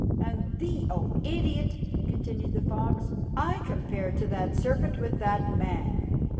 And thee, O idiot!" continued the fox, "I compare to that serpent with that man.